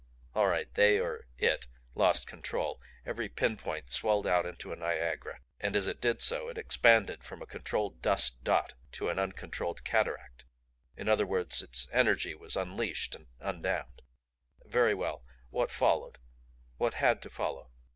All right they or IT lost control. Every pin point swelled out into a Niagara. And as it did so, it expanded from a controlled dust dot to an uncontrolled cataract in other words, its energy was unleashed and undammed. "Very well what followed? What HAD to follow?